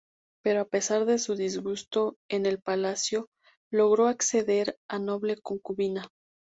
Pero a pesar de su disgusto en el palacio, logró ascender a "noble concubina".